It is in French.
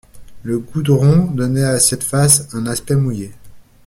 Le goudron donnait à cette face un aspect mouillé.